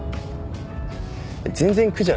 全然苦じゃないよ。